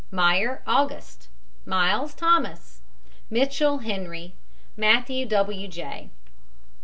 MEYER, AUGUST. MYLES, THOMAS. MITCHELL, HENRY. MATTHEWS, W. J.